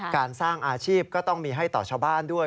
การสร้างอาชีพก็ต้องมีให้ต่อชาวบ้านด้วย